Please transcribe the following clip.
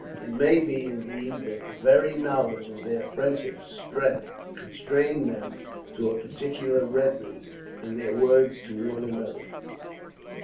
It may be, indeed, that the very knowledge of their friendship's strength constrained them to a particular reticence in their words to one another.